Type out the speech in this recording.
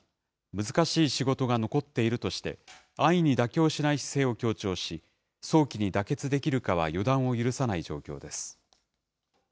難しい仕事が残っているとして、安易に妥協しない姿勢を強調し、早期に妥結できるかは予断を許さない状況です。